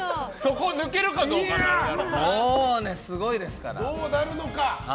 もうすごいですから。